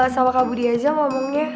sama kak budi aja ngomongnya